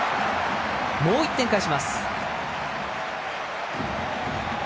もう１点返します。